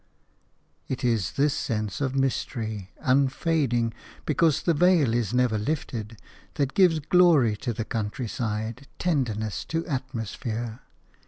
It is this sense of mystery – unfading, because the veil is never lifted – that gives glory to the countryside, tenderness to atmosphere.